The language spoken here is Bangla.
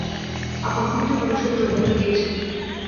আপন ক্ষেত্রে পুরুষের জোর দেখা দিয়েছে।